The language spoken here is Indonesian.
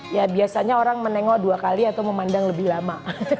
ya biasanya orang menengok dua kali atau memandang lebih lama